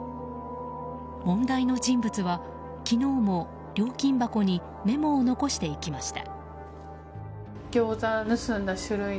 問題の人物は、昨日も料金箱にメモを残していきました。